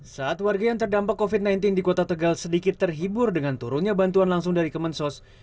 saat warga yang terdampak covid sembilan belas di kota tegal sedikit terhibur dengan turunnya bantuan langsung dari kemensos